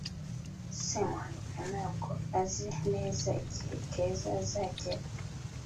semuhanuka ntabwo azi neza igihe keza azagera